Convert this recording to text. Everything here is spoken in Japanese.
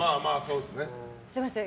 すみません